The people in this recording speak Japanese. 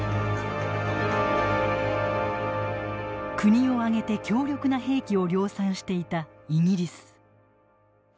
国を挙げて強力な兵器を量産していたイギリス。